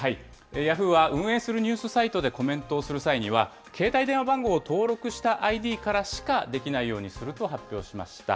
ヤフーは、運営するニュースサイトでコメントをする際には、携帯電話番号を登録したＩＤからしかできないようにすると発表しました。